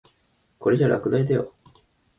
これじゃ落第だよ。